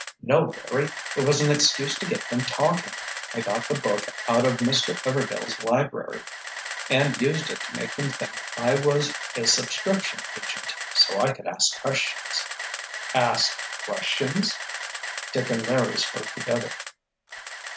"No, Larry. It was an excuse to get them talking. I got the book out of Mr. Everdail's library and used it to make them think I was a subscription agent—so I could ask questions." "Ask—questions?" Dick and Larry spoke together.